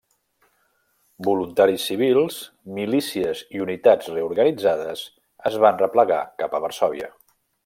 Voluntaris civils, milícies i unitats reorganitzades es van replegar cap a Varsòvia.